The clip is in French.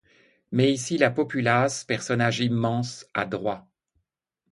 Mais ici la populace, personnage immense, a droit.